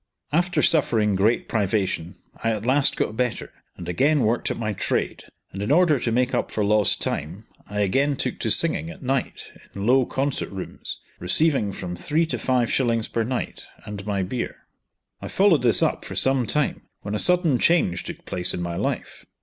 After suffering great privation, I at last got better, and again worked at my trade, and in order to make up for lost time, I again took to singing at night in low concert rooms, receiving from three to five shillings per night, and my beer. I followed this up for some time, when a sudden change took place in my life.